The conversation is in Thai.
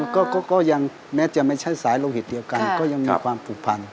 ก็ยังแม้จะไม่ใช่สายโลหิตเดียวกันก็ยังมีความผูกพัน